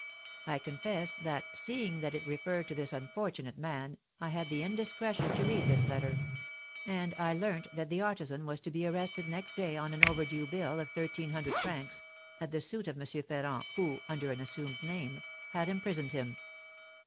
I confess that, seeing that it referred to this unfortunate man, I had the indiscretion to read this letter; and I learnt that the artisan was to be arrested next day on an overdue bill of thirteen hundred francs, at the suit of M. Ferrand, who, under an assumed name, had imprisoned him.